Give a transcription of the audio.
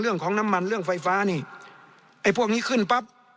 เรื่องของน้ำมันเรื่องไฟฟ้านี่ไอ้พวกนี้ขึ้นปั๊บ